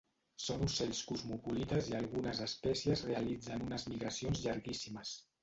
Són ocells cosmopolites i algunes espècies realitzen unes migracions llarguíssimes.